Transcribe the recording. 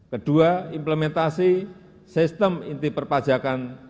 kedua implementasi sistem inti perpajakan